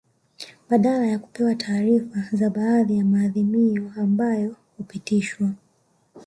Badala ya kupewa taarifa za baadhi ya maadhimio ambayo hupitishwa